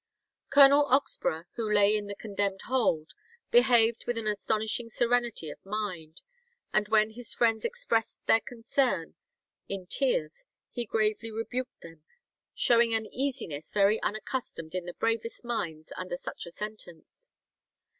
Colonel Oxborough, who lay in the condemned hold, behaved with an astonishing serenity of mind; and when his friends expressed their concern in tears, he gravely rebuked them, showing an easiness very unaccustomed in the bravest minds under such a sentence.